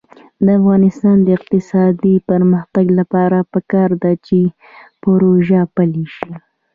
د افغانستان د اقتصادي پرمختګ لپاره پکار ده چې پروژه پلي شي.